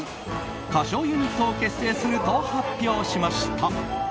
歌唱ユニットを結成すると発表しました。